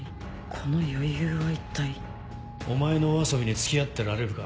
この余裕は一体お前のお遊びに付き合ってられるか。